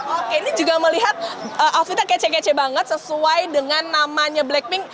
oke ini juga melihat offitnya kece kece banget sesuai dengan namanya blackpink